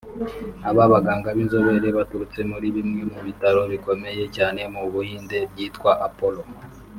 Aba baganga b’inzobere baturutse muri bimwe mu bitaro bikomeye cyane mu Buhinde byitwa Apolo